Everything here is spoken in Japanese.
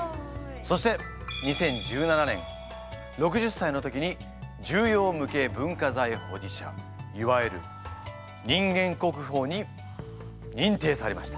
そして２０１７年６０歳の時に重要無形文化財保持者いわゆる人間国宝に認定されました。